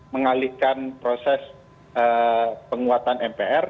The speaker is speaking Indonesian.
mengalihkan proses penguatan mpr